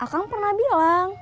akang pernah bilang